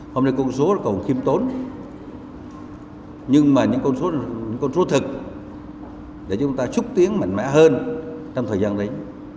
hôm nay con số còn khiêm tốn nhưng mà những con số thực để chúng ta xúc tiến mạnh mẽ hơn trong thời gian đấy